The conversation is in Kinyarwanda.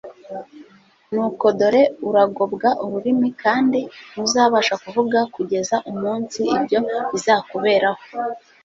Nuko dore uragobwa ururimi, kandi ntuzabasha kuvuga kugeza umunsi ibyo bizakuberaho,